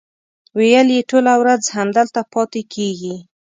ویل یې ټوله ورځ همدلته پاتې کېږي.